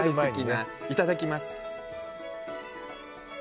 いただきます。